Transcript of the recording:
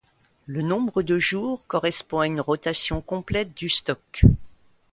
Le nombre de jour correspond à une rotation complète du stock.